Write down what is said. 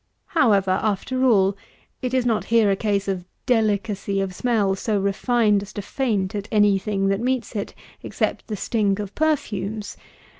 However, after all, it is not here a case of delicacy of smell so refined as to faint at any thing that meets it except the stink of perfumes.